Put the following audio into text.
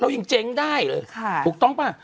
เรายังเจ๊งได้ถูกต้องป่ะ